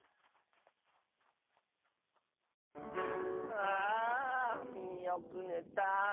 ふあよくねた。